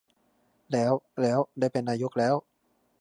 แล้ว แล้ว ได้เป็นนายกแล้ว